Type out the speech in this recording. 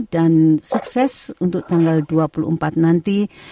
dan sukses untuk tanggal dua puluh empat nanti